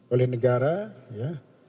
oleh negara ya